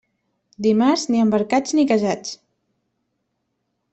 Dimarts, ni embarcats ni casats.